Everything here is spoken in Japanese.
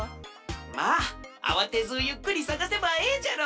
まああわてずゆっくりさがせばええじゃろ！